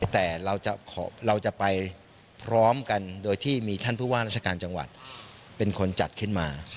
แต่เราจะไปพร้อมกันโดยที่มีท่านผู้ว่าราชการจังหวัดเป็นคนจัดขึ้นมา